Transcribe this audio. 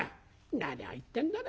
「何を言ってんだね